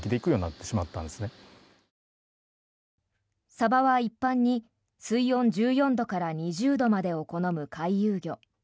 サバは一般に水温１４度から２０度までを好む回遊魚。